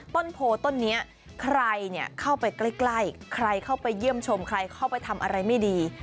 ต้นโพต้นนี้ใครเข้าไปใกล้ใครเข้าไปเยี่ยมชมใครเข้าไปทำอะไรไม่ดี